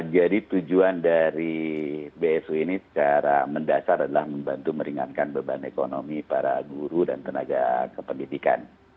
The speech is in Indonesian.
jadi tujuan dari bsu ini secara mendasar adalah membantu meringankan beban ekonomi para guru dan tenaga kependidikan